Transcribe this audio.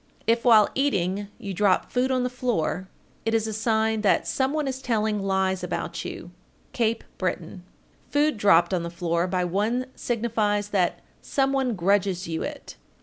1453. If while eating you drop food on the floor, it is a sign that some one is telling lies about you. Cape Breton. 1454. Food dropped on the floor by one signifies that some one grudges you it.